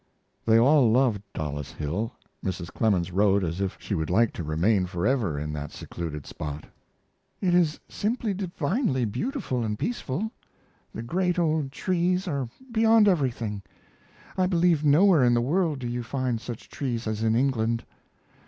They all loved Dollis Hill. Mrs. Clemens wrote as if she would like to remain forever in that secluded spot. It is simply divinely beautiful & peaceful;... the great old trees are beyond everything. I believe nowhere in the world do you find such trees as in England....